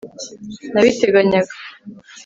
Nabiteganyaga